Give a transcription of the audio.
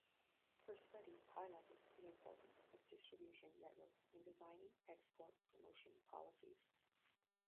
Her study highlighted the importance of distribution network in designing export promotion policies.